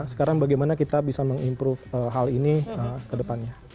sekarang bagaimana kita bisa meng improve hal ini kedepannya